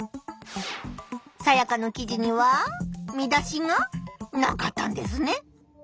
サヤカの記事には見出しがなかったんですね。